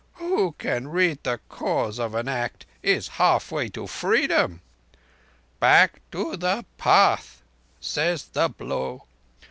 Who can read the Cause of an act is halfway to Freedom! 'Back to the path,' says the Blow.